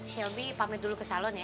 shelby pamit dulu ke salon ya